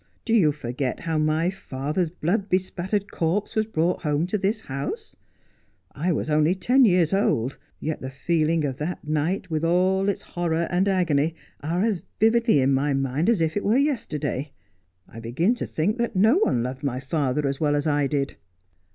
Do you forget how my father's blood bespattered corpse was brought home to this house ? I was only ten years old, yet the feeling of that night, with all its horror and agony, are as vividly in my mind as if it were yesterday. I begin to think that no one loved my father as well as I did.'